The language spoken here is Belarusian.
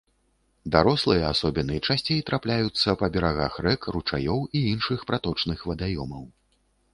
Дарослыя асобіны часцей трапляюцца па берагах рэк, ручаёў і іншых праточных вадаёмаў.